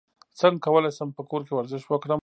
څنګه کولی شم په کور کې ورزش وکړم